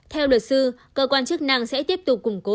theo luật sư cơ quan chức năng sẽ tiếp tục củng cố